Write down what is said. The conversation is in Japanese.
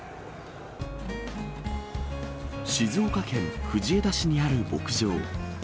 静岡県藤枝市にある牧場。